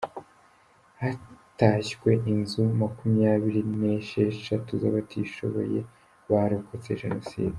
Hatashywe inzu makumyabiri n’esheshatu z’abatishoboye barokotse jenoside